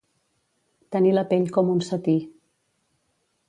Tenir la pell com un setí.